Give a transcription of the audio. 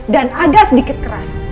dan agak sedikit keras